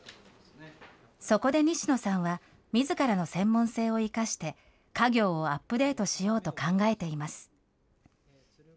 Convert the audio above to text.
そこで西野さんは、みずからの専門性を生かして、家業をアップデートしようと考えています。